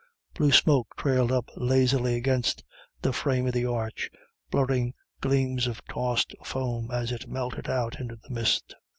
Blue smoke trailed up lazily against the frame of the arch, blurring gleams of tossed foam as it melted out into the mist.